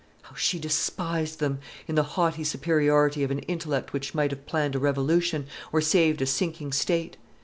How she despised them, in the haughty superiority of an intellect which might have planned a revolution, or saved a sinking state!